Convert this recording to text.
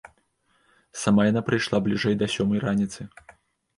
Сама яна прыйшла бліжэй да сёмай раніцы.